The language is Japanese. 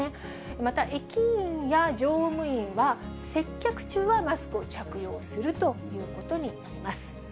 また、駅員や乗務員は、接客中はマスクを着用するということになります。